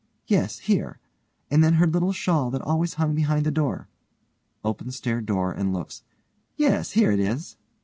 Yes, here. And then her little shawl that always hung behind the door. (opens stair door and looks) Yes, here it is.